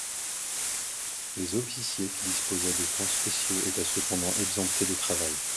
Les officiers qui disposaient de camps spéciaux étaient cependant exemptés de travail.